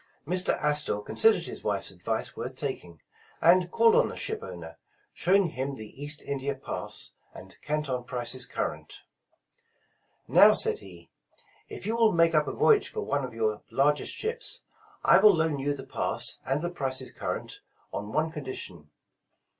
Mr. Astor considered his wife's ad vice worth taking, and called on the ship owner, show 131 The Original John Jacob Astor ing him the East India Pass, and Canton Prices Cur rent. ''Now," said he, ''if you will make up a voyage for one of your largest ships, I will loan you the Pass and the Prices Current, on one condition.